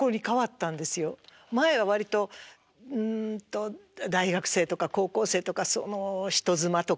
前は割とうんと大学生とか高校生とかその人妻とか。